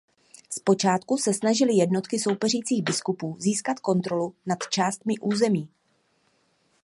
Zpočátku se snažily jednotky soupeřících biskupů získat kontrolu nad částmi území.